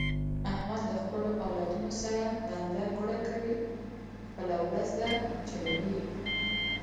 احمد له خپلو اولادونو سره ړنده ګوډه کوي، خپله ورځ ده چلوي یې.